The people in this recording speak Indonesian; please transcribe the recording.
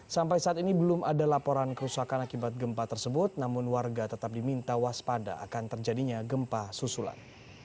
sampai saat ini belum ada laporan kerusakan akibat gempa tersebut namun warga tetap diminta waspada akan terjadinya gempa susulan